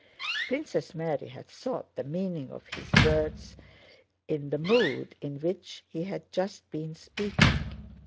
Princess Mary had sought the meaning of his words in the mood in which he had just been speaking.